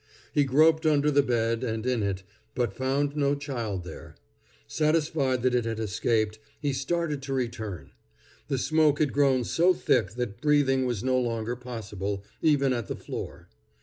He groped under the bed, and in it, but found no child there. Satisfied that it had escaped, he started to return. The smoke had grown so thick that breathing was no longer possible, even at the floor.